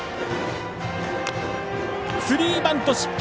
スリーバント失敗。